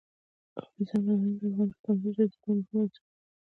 اوبزین معدنونه د افغان کورنیو د دودونو مهم عنصر دی.